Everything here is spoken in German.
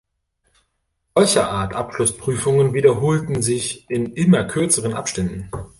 Solcherart Abschlussprüfungen wiederholten sich in immer kürzeren Abständen.